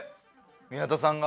宮田さんが？